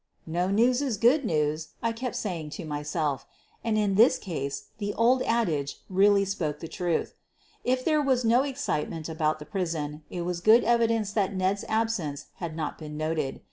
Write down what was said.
"No news is good news," I kept saying to myself, and in this case the old adage really spoke the truth. If there was no excitement j about the prison it was good evidence that Ned's absence had not been noted.